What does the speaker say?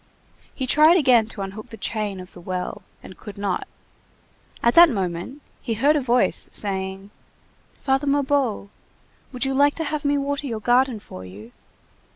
He tried again to unhook the chain of the well, and could not. At that moment, he heard a voice saying:— "Father Mabeuf, would you like to have me water your garden for you?"